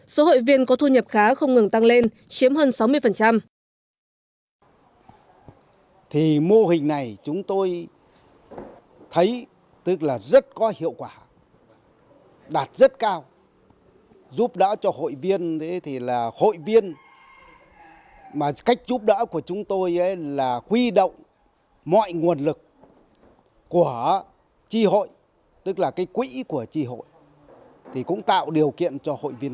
số hội viên có thu nhập khá không ngừng tăng lên chiếm hơn sáu mươi